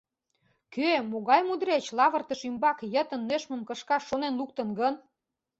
Кӧ, могай мудреч лавыртыш ӱмбак йытын нӧшмым кышкаш шонен луктын гын?